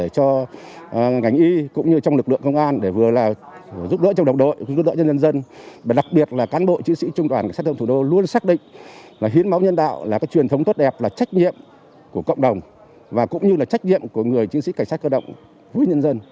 công an nhân dân tốt đẹp là trách nhiệm của cộng đồng và cũng như là trách nhiệm của người chiến sĩ cảnh sát cơ động quý nhân dân